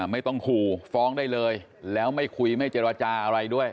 ไม่ต้องขู่ฟ้องได้เลยแล้วไม่คุยไม่เจรจาอะไรด้วย